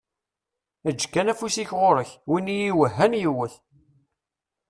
Eǧǧ kan afus-ik ɣur-k, win i iwehhan yewwet.